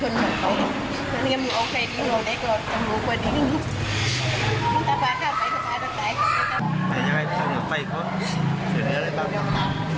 นี้เลยก็ไม่ได้เลี้ยงลองให้มากมายเลยยังมีเวียงที่ป่ามีอยู่ประเทศเดียวนี่ตรง